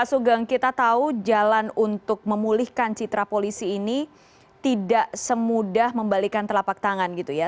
pak sugeng kita tahu jalan untuk memulihkan citra polisi ini tidak semudah membalikan telapak tangan gitu ya